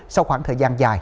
sau khoảng thời gian dài